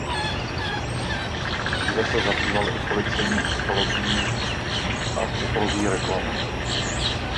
Dříve se zabýval i policejní psychologií a psychologií reklamy.